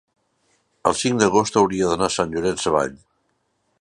el cinc d'agost hauria d'anar a Sant Llorenç Savall.